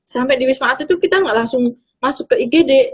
sampai di wisma atlet itu kita nggak langsung masuk ke igd